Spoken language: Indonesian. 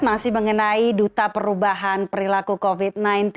masih mengenai duta perubahan perilaku covid sembilan belas